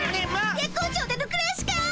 月光町でのくらしかい？